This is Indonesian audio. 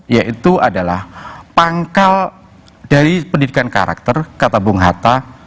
yaitu adalah pangkal dari pendidikan karakter kata bung hatta